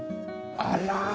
あら。